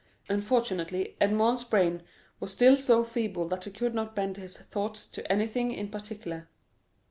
Unfortunately, Edmond's brain was still so feeble that he could not bend his thoughts to anything in particular.